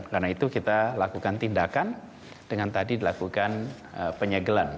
karena itu kita lakukan tindakan dengan tadi dilakukan penyegelan